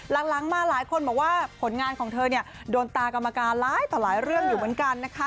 หลังมาหลายคนบอกว่าผลงานของเธอเนี่ยโดนตากรรมการหลายต่อหลายเรื่องอยู่เหมือนกันนะคะ